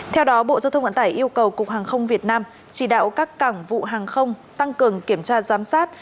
theo đó bộ giao thông vận tải yêu cầu cục hàng không việt nam chỉ đạo các cảng vụ hàng không tăng cường kiểm tra giám sát